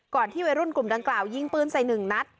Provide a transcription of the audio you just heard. ที่วัยรุ่นกลุ่มดังกล่าวยิงปืนใส่หนึ่งนัด